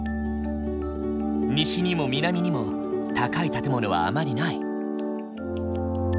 西にも南にも高い建物はあまりない。